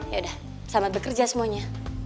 ya udah selamat bekerja semuanya